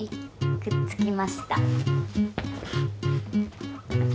くっつきました。